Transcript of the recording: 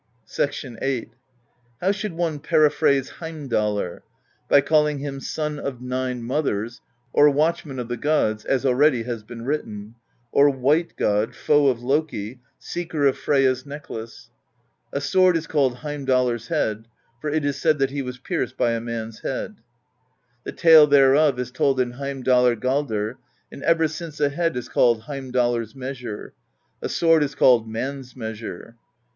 VIII. "How should one periphrase Heimdallr? By calling him Son of Nine Mothers, or Watchman of the Gods, as already has been written; or White God, Foe of Loki, Seeker of Freyja's Necklace. A sword is called Heim dallr's Head: for it is said that he was pierced by a man's head. The tale thereof is told in Heimdalar galdr ; and ever since a head is called Heimdallr's Measure; a sword is called Man's Measure.